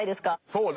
そうね。